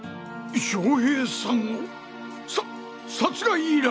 将平さんをさ殺害依頼。